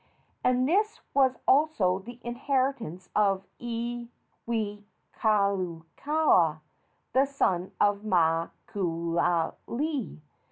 And this was also the inheritance of Iwikauikaua, the son of Makakaualii.